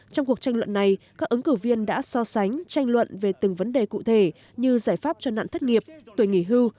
trong cuộc tranh luận này các ứng cử viên đã so sánh tranh luận về từng vấn đề cụ thể như giải pháp cho nạn thất nghiệp tuổi nghỉ hưu